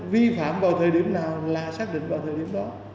vi phạm vào thời điểm nào là xác định vào thời điểm đó